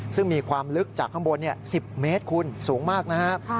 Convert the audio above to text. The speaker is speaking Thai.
ซึ่งมีความลึกจากข้างบน๑๐เมตรคุณสูงมากนะครับ